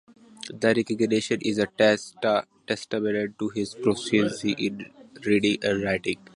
This recognition is a testament to his proficiency in reading and writing.